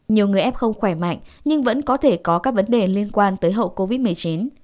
nhiều người f không khỏe mạnh nhưng vẫn có thể có các vấn đề liên quan tới hậu covid một mươi chín